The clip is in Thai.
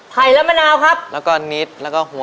และมะนาวครับแล้วก็นิดแล้วก็หัว